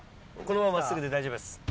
このまま真っすぐで大丈夫です。